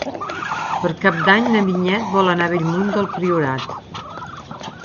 Per Cap d'Any na Vinyet vol anar a Bellmunt del Priorat.